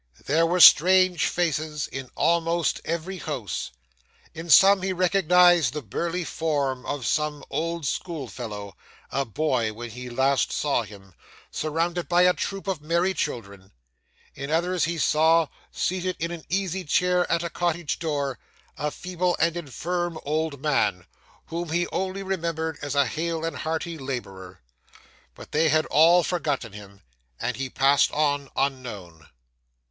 There were strange faces in almost every house; in some he recognised the burly form of some old schoolfellow a boy when he last saw him surrounded by a troop of merry children; in others he saw, seated in an easy chair at a cottage door, a feeble and infirm old man, whom he only remembered as a hale and hearty labourer; but they had all forgotten him, and he passed on unknown.